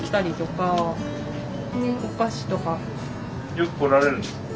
よく来られるんですか？